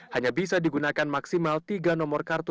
hanya bisa digunakan maksimal tiga nomor kartu